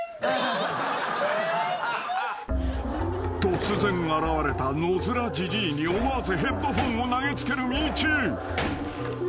［突然現れた野づらじじいに思わずヘッドホンを投げ付けるみちゅ］